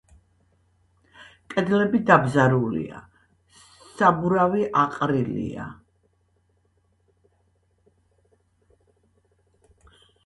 კედლები დაბზარულია, საბურავი აყრილია.